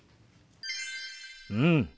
うん！